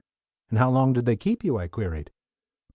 "And how long did they keep you?" I queried.